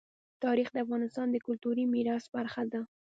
تاریخ د افغانستان د کلتوري میراث برخه ده.